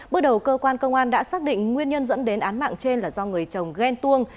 bước đầu cơ quan công an đã xác định nguyên nhân dẫn đến án mạng trên là do người trồng ghen tuông